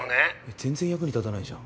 全然役に立たないじゃん。